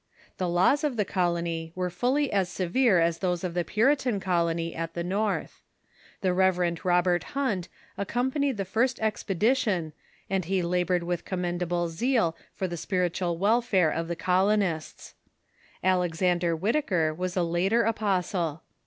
The laws of the colony were fully as severe as those of the Puritan colony at the North. The Rev. Robert Hunt accompanied the first expedi tion, and he labored with commendable zeal for the spiritual welfare of the colonists. Alexander Whitaker was a later apostle.